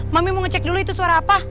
mami mau ngecek dulu itu suara apa